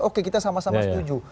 oke kita sama sama setuju